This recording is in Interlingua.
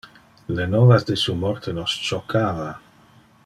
Le novas de su morte nos choccava.